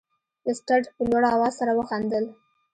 لیسټرډ په لوړ اواز سره وخندل.